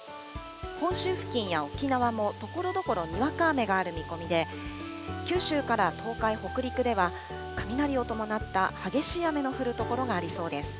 本州付近や沖縄もところどころにわか雨がある見込みで、九州から東海、北陸では雷を伴った激しい雨の降る所がありそうです。